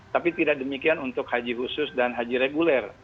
tapi tidak demikian untuk haji khusus dan haji reguler